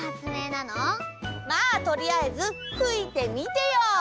まあとりあえずふいてみてよ！